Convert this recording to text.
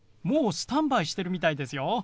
もうスタンバイしてるみたいですよ。